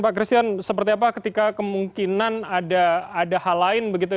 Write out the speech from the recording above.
pak christian seperti apa ketika kemungkinan ada hal lain begitu